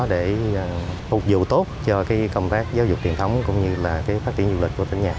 để phục vụ tốt cho công tác giáo dục truyền thống cũng như là phát triển du lịch của tỉnh nhà